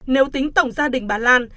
nếu tính tổng gia đình bà lan